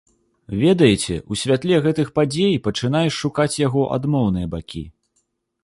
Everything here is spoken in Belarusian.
Ведаеце, у святле гэтых падзей пачынаеш шукаць яго адмоўныя бакі.